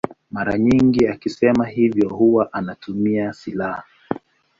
Mara nyingi akisema hivyo huwa anatumia silaha.